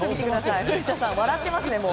古田さん、笑っていますね。